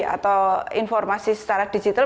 atau informasi secara digital